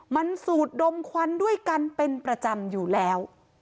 มันสูดดมควันด้วยกันเป็นประจำอยู่แล้ว